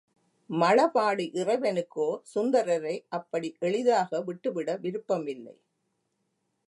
மழபாடி இறைவனுக்கோ சுந்தரரை அப்படி எளிதாக விட்டுவிட விருப்பமில்லை.